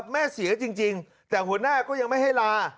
แม่เสียจริงแต่หัวหน้าก็ยังไม่ให้ลา